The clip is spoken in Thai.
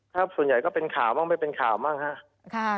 ส่วนใหญ่ก็เป็นข่าวบ้างไม่เป็นข่าวบ้างครับ